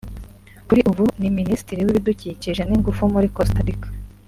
kuri ubu ni Minisitiri w’ibidukikije n’ingufu muri Costa Rica